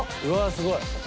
すごい。